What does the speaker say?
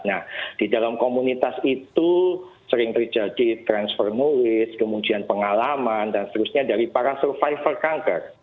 nah di dalam komunitas itu sering terjadi transfer nulis kemudian pengalaman dan seterusnya dari para survivor kanker